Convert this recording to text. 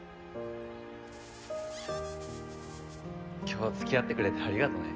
今日は付き合ってくれてありがとね。